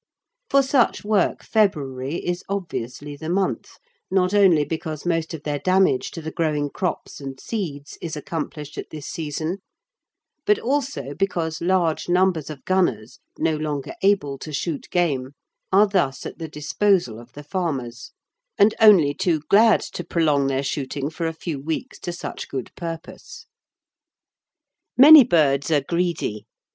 For such work February is obviously the month, not only because most of their damage to the growing crops and seeds is accomplished at this season, but also because large numbers of gunners, no longer able to shoot game, are thus at the disposal of the farmers and only too glad to prolong their shooting for a few weeks to such good purpose. Many birds are greedy.